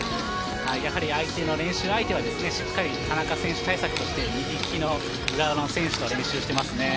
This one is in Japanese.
やはり練習相手はしっかり田中選手対策として右利きの選手と練習しています。